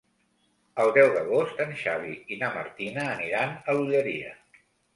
El deu d'agost en Xavi i na Martina aniran a l'Olleria.